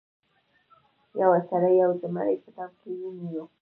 یو سړي یو زمری په دام کې ونیو.